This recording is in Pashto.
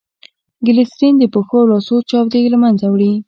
ګلیسرین دپښو او لاسو چاودي له منځه وړي.